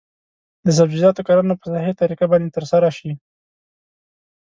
د سبزیجاتو کرنه په صحي طریقه باید ترسره شي.